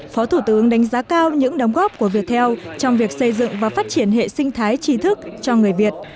phó thủ tướng đánh giá cao những đóng góp của viettel trong việc xây dựng và phát triển hệ sinh thái trí thức cho người việt